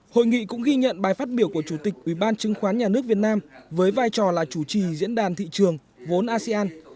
hội nghị cũng ghi nhận bài phát biểu của chủ tịch ubnd với vai trò là chủ trì diễn đàn thị trường vốn asean